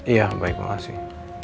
iya baik makasih